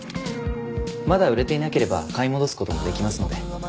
まだ売れていなければ買い戻す事もできますので。